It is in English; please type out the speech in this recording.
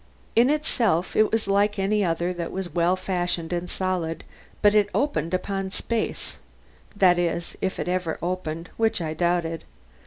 In itself it was like any other that was well fashioned and solid, but it opened upon space that is, if it was ever opened, which I doubted.